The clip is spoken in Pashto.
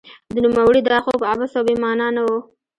د نوموړي دا خوب عبث او بې مانا نه و.